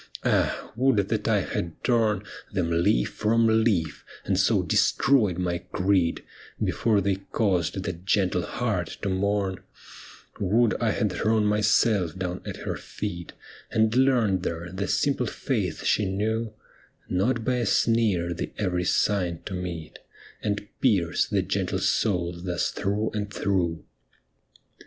Ah, would that I had torn Them leaf from leaf, and so destroyed my creed, Before they caused that gentle heart to mourn ! Would I had thrown myself down at her feet. 104 'THE ME WITHIN THEE BLIND!' And learned there the simple faith she knew, Not by a sneer the every sign to meet, And pierce the gentle soul thus through and through